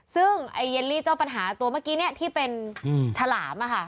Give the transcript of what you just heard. ซึ่งไอเยลลี่เจ้าปัญหาตัวเมื่อกี้ที่เป็นฉลาม